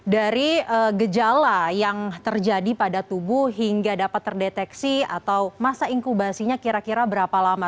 dari gejala yang terjadi pada tubuh hingga dapat terdeteksi atau masa inkubasinya kira kira berapa lama